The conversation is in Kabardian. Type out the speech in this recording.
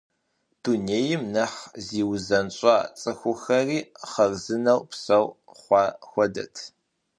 Дунейм нэхъ зиузэщӏа, цӏыхухэри хъарзынэу псэу хъуа хуэдэт.